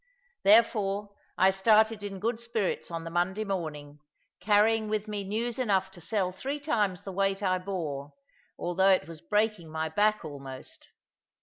Therefore I started in good spirits on the Monday morning, carrying with me news enough to sell three times the weight I bore, although it was breaking my back almost.